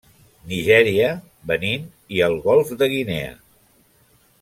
Nigèria, Benín i el Golf de Guinea.